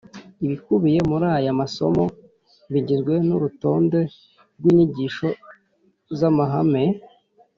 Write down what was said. ibikubiye muri aya masomo bigizwe n'urutonde rw'inyigisho z'amahame